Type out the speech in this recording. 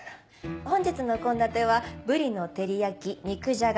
本日の献立はブリの照り焼き肉じゃが